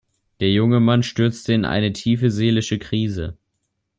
Der junge Mann stürzt in eine tiefe seelische Krise.